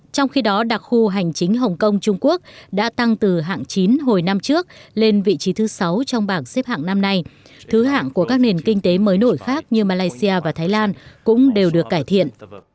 trong khi đó đặc khu hành chính hồng kông trung quốc đã tăng từ hạng chín hồi năm trước lên vị trí thứ sáu trong bảng xếp hạng năm nay thứ hạng của các nền kinh tế mới nổi khác như malaysia và thái lan cũng đều được cải thiện